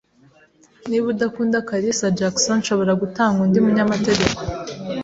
Niba udakunda kalisa Jackson, nshobora gutanga undi munyamategeko.